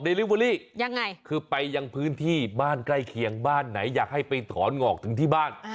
ลิเวอรี่ยังไงคือไปยังพื้นที่บ้านใกล้เคียงบ้านไหนอยากให้ไปถอนงอกถึงที่บ้าน